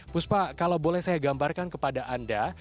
puspa kalau boleh saya gambarkan kepada anda